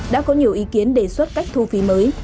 đã có nhiều ý kiến đề xuất cách thu phí mới